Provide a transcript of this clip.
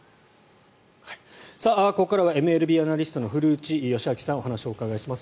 ここからはＭＬＢアナリストの古内義明さんお話をお伺いします。